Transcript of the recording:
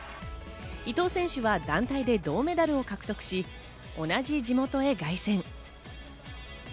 伊藤選手は団体で銅メダルを獲得し、同じ地元へ凱旋。